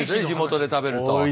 地元で食べると。